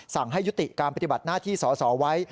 สั่งให้ยุติการปฏิบัติหน้าที่สอสอไว้